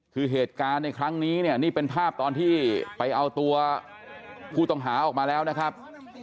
คือเหตุการณ์ในครั้งนี้เนี่ยนี่เป็นภาพตอนที่ไปเอาตัวผู้ต้องหาออกมาแล้วนะครับ